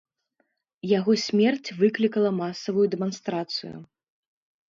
Яго смерць выклікала масавую дэманстрацыю.